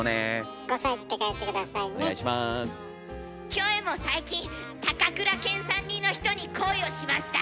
キョエも最近高倉健さん似の人に恋をしました。